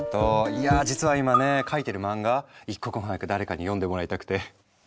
いや実は今ね描いてる漫画一刻も早く誰かに読んでもらいたくて！